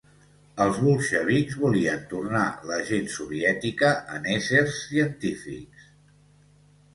Els Bolxevics volien tornar la gent soviètica en "essers científics".